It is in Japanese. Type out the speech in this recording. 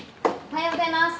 おはようございます。